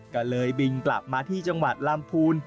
ก็เลยบินกลับมาที่จังหวัดลำพูน